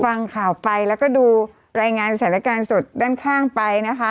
ฟังข่าวไปแล้วก็ดูรายงานสถานการณ์สดด้านข้างไปนะคะ